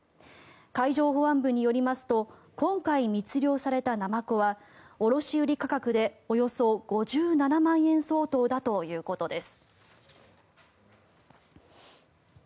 海上保安部によりますと今回、密漁されたナマコは卸売価格でおよそ５７万円相当だということです。